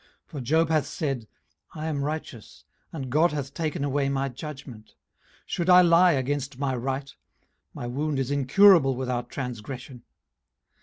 18:034:005 For Job hath said, I am righteous: and God hath taken away my judgment. 18:034:006 Should I lie against my right? my wound is incurable without transgression.